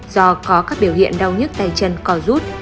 do có các biểu hiện đau nhất tay chân có rút